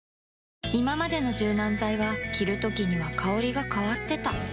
いままでの柔軟剤は着るときには香りが変わってた